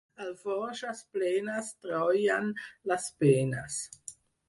Alforges plenes treuen les penes.